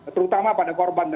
terutama pada korban